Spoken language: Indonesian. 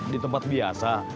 di tempat biasa